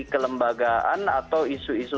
kelembagaan atau isu isu